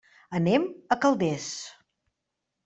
Anem a Calders.